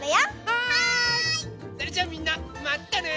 それじゃあみんなまたね！